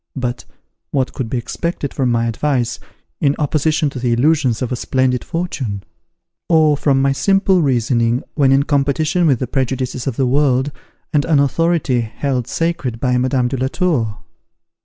But what could be expected from my advice, in opposition to the illusions of a splendid fortune? or from my simple reasoning, when in competition with the prejudices of the world, and an authority held sacred by Madame de la Tour?